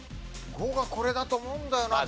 ５がこれだと思うんだよなでも。